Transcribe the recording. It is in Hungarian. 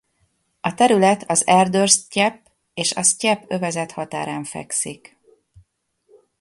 A terület az erdős sztyepp és a sztyepp övezet határán fekszik.